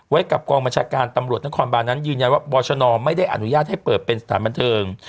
กับกองบัญชาการตำรวจนครบานนั้นยืนยันว่าบรชนไม่ได้อนุญาตให้เปิดเป็นสถานบันเทิง